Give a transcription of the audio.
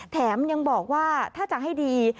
แถมยังบอกว่าถ้าจะให้ดี